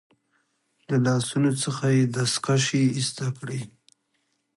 له لاسونو څخه يې دستکشې ایسته کړې.